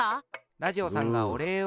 ラジオさんがおれいを。